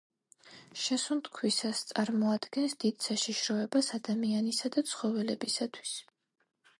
შესუნთქვისას წარმოადგენს დიდ საშიშროებას ადამიანისა და ცხოველებისათვის.